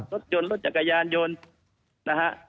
รถยนต์รถจักรยานยนต์